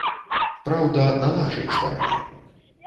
Праўда на нашай старане!